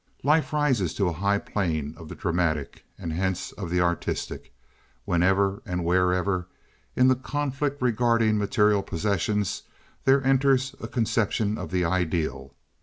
Life rises to a high plane of the dramatic, and hence of the artistic, whenever and wherever in the conflict regarding material possession there enters a conception of the ideal.